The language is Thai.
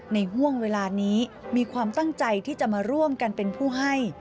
ห่วงเวลานี้มีความตั้งใจที่จะมาร่วมกันเป็นผู้ให้